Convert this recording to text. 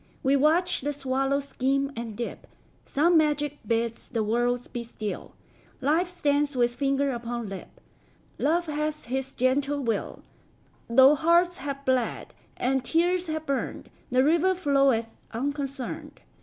We watch the swallow skim and dip; Some magic bids the world be still; Life stands with finger upon lip; Love hath his gentle will; Though hearts have bled, and tears have burned, The river floweth unconcerned.